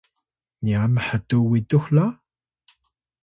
niya mhtuw witux la?